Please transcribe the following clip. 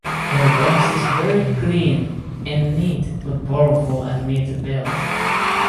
Her voice is very clean and neat but powerful and mid-belt.